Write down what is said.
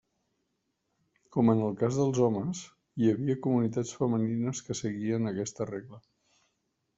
Com en el cas dels homes, hi havia comunitats femenines que seguien aquesta regla.